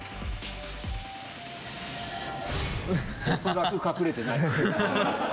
恐らく隠れてない。